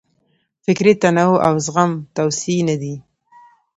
فکري تنوع او زغم توصیې نه دي.